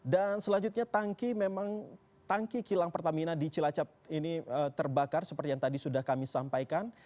dan selanjutnya tangki memang tangki kilang pertamina di cilacap ini terbakar seperti yang tadi sudah kami sampaikan